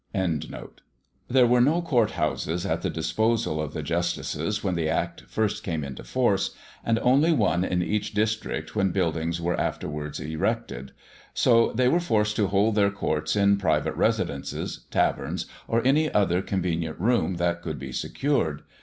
There were no court houses at the disposal of the justices when the Act first came into force, and only one in each district when buildings were afterwards erected; so they were forced to hold their courts in private residences, taverns, or any convenient room that could be secured.